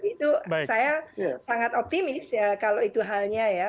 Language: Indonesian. itu saya sangat optimis ya kalau itu halnya ya